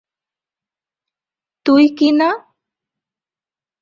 তুই কি না?